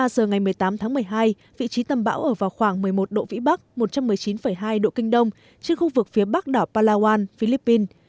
một mươi giờ ngày một mươi tám tháng một mươi hai vị trí tâm bão ở vào khoảng một mươi một độ vĩ bắc một trăm một mươi chín hai độ kinh đông trên khu vực phía bắc đảo palawan philippines